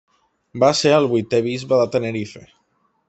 Va ser el vuitè bisbe de Tenerife.